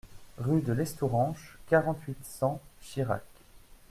Rue de l'Estouranche, quarante-huit, cent Chirac